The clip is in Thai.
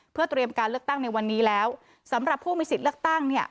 เพื่อเตรียมการเลือกตั้งในวันนี้แล้วสำหรับผู้มีสิทธิ์เลือกตั้งเนี่ย